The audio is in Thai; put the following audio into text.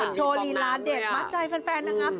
โชว์ลีลาเด็ดมัดใจแฟนนะครับ